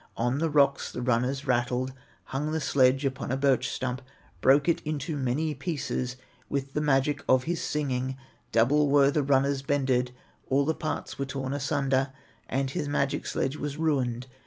On the rocks the runners rattled, Hung the sledge upon a birch stump, Broke it into many pieces, With the magic of his singing; Double were the runners bended, All the parts were torn asunder, And his magic sledge was ruined.